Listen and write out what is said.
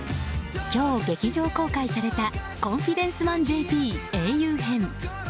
今日劇場公開された「コンフィデンスマンＪＰ英雄編」。